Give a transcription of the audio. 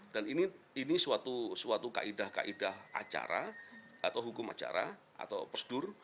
dan ini suatu kaedah kaedah acara atau hukum acara atau prosedur